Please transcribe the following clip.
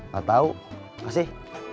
gak tau kasih